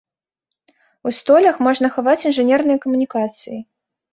У столях можна хаваць інжынерныя камунікацыі.